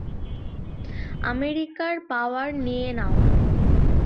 আমেরিকার পাওয়ার নিয়ে না-ও।